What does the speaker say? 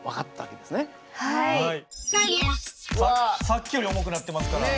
さっきより重くなってますから。